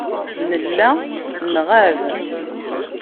Nella nɣab.